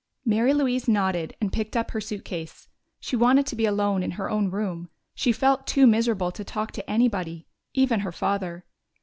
Mary Louise nodded and picked up her suitcase. She wanted to be alone in her own room; she felt too miserable to talk to anybody even her father.